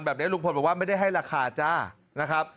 แบบนี้ลุงพลบอกว่าไม่ได้ให้ราคาจ้านะครับ